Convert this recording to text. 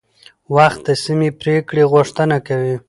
وخت د سمې پریکړې غوښتنه کوي